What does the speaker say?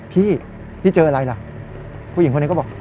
พี่พี่เจออะไรล่ะผู้หญิงคนนี้ก็บอก